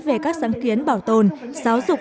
về các sáng kiến bảo tồn giáo dục